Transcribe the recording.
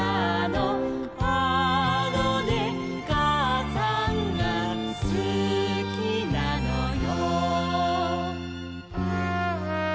「あのねかあさんがすきなのよ」